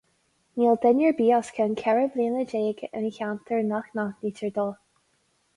Níl duine ar bith os cionn ceithre bliana déag ina cheantar nach n-aithnítear dó.